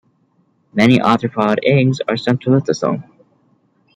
Many arthropod eggs are centrolecithal.